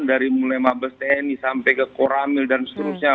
dari mulai mabes tni sampai ke koramil dan seterusnya